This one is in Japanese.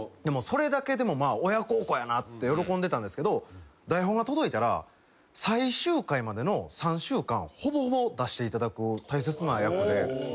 それだけでも親孝行やなって喜んでたんですけど台本が届いたら最終回までの３週間ほぼほぼ出していただく大切な役で。